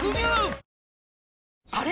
あれ？